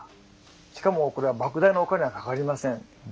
しかもこれはばく大なお金はかかりません。